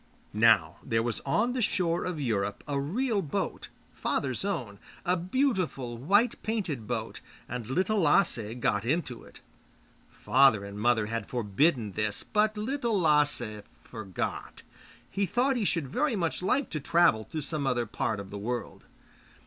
Now, there was on the shore of Europe a real boat, father's own, a beautiful white painted boat, and Little Lasse got into it. Father and mother had forbidden this, but Little Lasse forgot. He thought he should very much like to travel to some other part of the world.